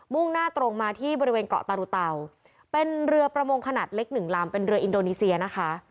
่งหน้าตรงมาที่บริเวณเกาะตารุเตาเป็นเรือประมงขนาดเล็กหนึ่งลำเป็นเรืออินโดนีเซียนะคะ